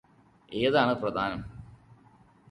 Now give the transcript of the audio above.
ഏതാണ് പ്രധാനം?